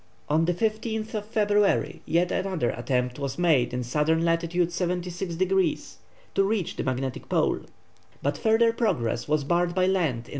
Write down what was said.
On the 15th February yet another attempt was made in S. lat. 76 degrees to reach the magnetic pole; but further progress was barred by land in S.